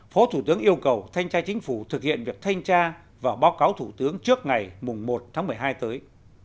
phó thủ tướng yêu cầu thanh tra chính phủ thực hiện việc thanh tra và báo cáo thủ tướng trước ngày một tháng một mươi hai tới